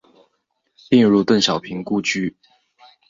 并入邓小平故居。